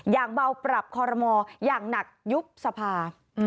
อย่างเบาปรับคอรมออย่างหนักยุบสภา